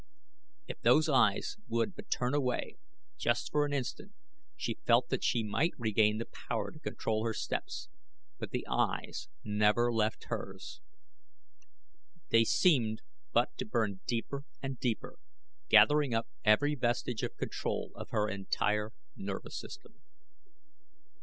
If those eyes would but turn away, just for an instant, she felt that she might regain the power to control her steps; but the eyes never left hers. They seemed but to burn deeper and deeper, gathering up every vestige of control of her entire nervous system.